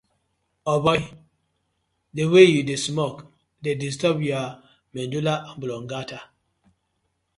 Igbo wey yu dey smoke dey disturb yah medulla oblongata.